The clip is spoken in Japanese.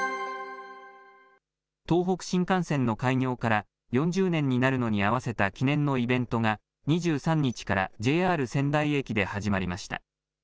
東北新幹線の開業から４０年になるのに合わせた記念のイベントが２３日からＪＲ仙台駅で始まりました。